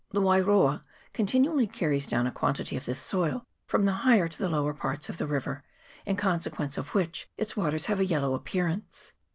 The Wairoa continually carries down a quantity of this soil from the higher to the lower parts of the river, in conse quence of which its waters have a yellow appear ance.